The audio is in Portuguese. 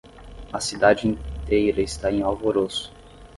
A cidade inteira está em alvoroço.